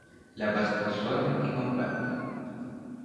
La pasta es suave y compacta.